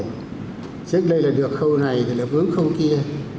trước đây là được khâu này lập hướng khâu kia